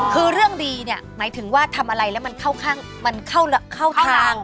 คือเรื่องดีเนี่ยหมายถึงว่าทำอะไรแล้วมันเข้าตาราง